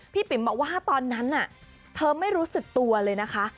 ปิ๋มบอกว่าตอนนั้นเธอไม่รู้สึกตัวเลยนะคะ